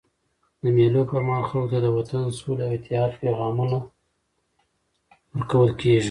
د مېلو پر مهال خلکو ته د وطن، سولي او اتحاد پیغامونه ورکول کېږي.